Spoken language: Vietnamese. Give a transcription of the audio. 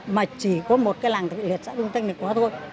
mà chỉ có một cái làng thị liệt xã trung tây này quá thôi